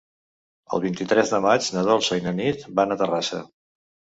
El vint-i-tres de maig na Dolça i na Nit van a Terrassa.